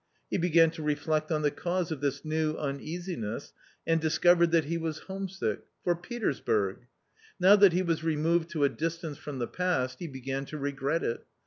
He began to reflect on the cause of this new uneasiness, and discovered that he was homesick — for Petersburg ! Now that he was removed to a distance from the past, he began to regret it.